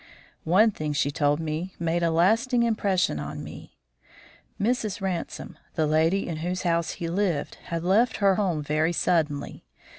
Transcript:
One thing she told me made a lasting impression on me. Mrs. Ransome, the lady in whose house he lived, had left her home very suddenly.